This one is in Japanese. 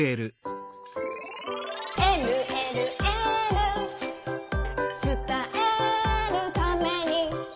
「えるえるエール」「つたえるために」